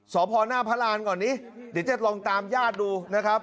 สตหน้าพระอันตร์ก่อนนี้เดี๋ยวเจ๊ตลองตามย่าดดูนะครับ